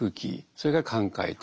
それから寛解と。